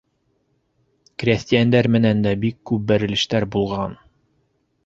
Крәҫтиәндәр менән дә бик күп бәрелештәр булған.